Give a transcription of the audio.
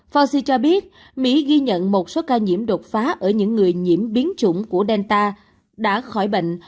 fauci cho biết mỹ ghi nhận một số ca nhiễm đột phá ở những người nhiễm biến chủng của delta đã khỏi bệnh